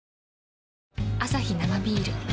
アサヒ生ビール